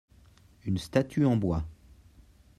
une statue en bois.